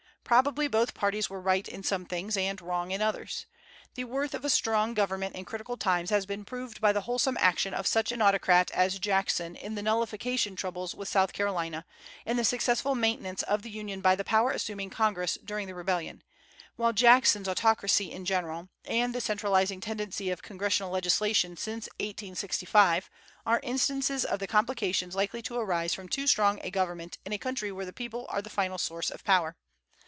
Probably both parties were right in some things, and wrong in others. The worth of a strong government in critical times has been proved by the wholesome action of such an autocrat as Jackson in the Nullification troubles with South Carolina, and the successful maintenance of the Union by the power assuming Congress during the Rebellion; while Jackson's autocracy in general, and the centralizing tendency of Congressional legislation since 1865, are instances of the complications likely to arise from too strong a government in a country where the people are the final source of power.